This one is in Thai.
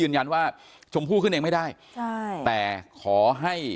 ไม่ได้มีครับผมไม่รู้เรื่องอะไรด้วยนะครับ